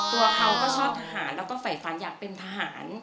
ตัวเขาก็ชอบทหารแล้วก็ฝ่ายฝันอยากเป็นทหาร